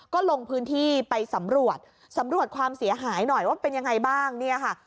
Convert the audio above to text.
ก็ลงพื้นที่ไปสำรวจสำรวจความเสียหายหน่อยว่าเป็นยังไงบ้างเนี่ยค่ะ